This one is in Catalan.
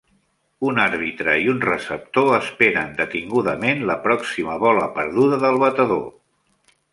Un àrbitre i un receptor esperen detingudament la pròxima bola perduda del batedor.